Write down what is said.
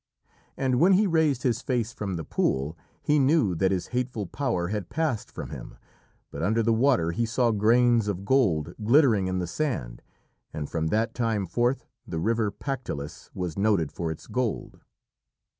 And when he raised his face from the pool, he knew that his hateful power had passed from him, but under the water he saw grains of gold glittering in the sand, and from that time forth the river Pactolus was noted for its gold.